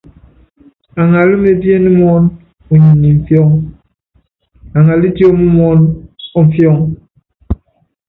Aŋalá mepién muɔn uniɛ ni imfiɔ́ŋ, aŋalá tióm muɔ́n ɔmfiɔŋ.